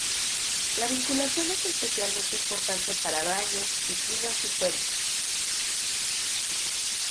La vinculación es especialmente importante para baños, piscinas y fuentes.